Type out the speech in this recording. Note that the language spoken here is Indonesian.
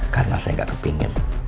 karena saya gak kepengen